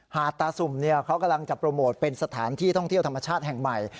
หาดตาสุ่มเขากำลังจะโปรโมทเป็นสถานที่ท่องเที่ยวธรรมชาติแห่งใหม่